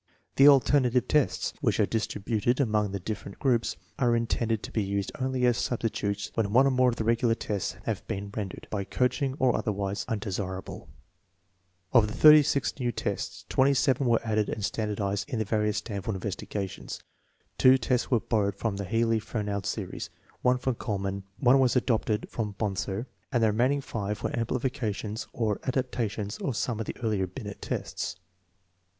The alternative tests, which are distributed among the different groups, are intended to be used only as substitutes when one or more of the regular tests have been rendered, by coaching or otherwise, un desirable. 1 Of the 36 new tests, 7 were added and standardized in the various Stanford investigations. Two tests were borrowed from the Healy Fernald series, one from Kulil mann, one was adapted from Bonser, and the remaining five were amplifications or adaptations of some of the earlier Binet tests.